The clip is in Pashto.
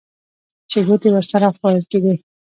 چې ګوتې ورسره خوړل کېدې.